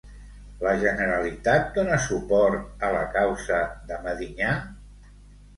La Generalitat dona suport a la causa de Medinyà?